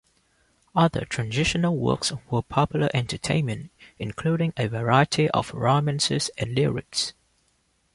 Other transitional works were popular entertainment, including a variety of romances and lyrics.